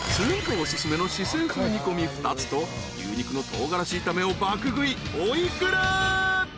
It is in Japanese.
お薦めの四川風煮込み２つと牛肉の唐辛子炒めを爆食い］